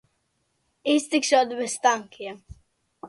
Iztikšot bez tankiem.